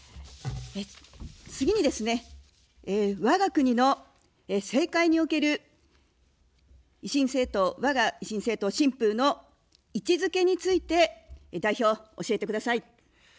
次にですね、わが国の政界における、わが維新政党・新風の位置づけについて代表、教えてください。